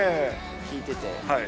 聴いてて。